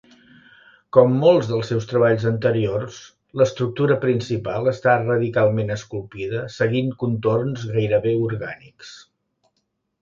Com molts dels seus treballs anteriors l'estructura principal està radicalment esculpida seguint contorns gairebé orgànics.